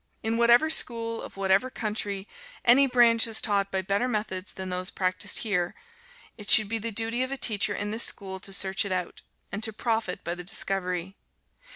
In whatever school of whatever country, any branch is taught by better methods than those practised here, it should be the duty of a teacher in this school to search it out, and to profit by the discovery.